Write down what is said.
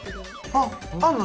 あっあんの？